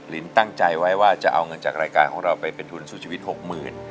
ลินตั้งใจไว้ว่าจะเอาเงินจากรายการของเราไปเป็นทุนสู้ชีวิต๖๐๐๐บาท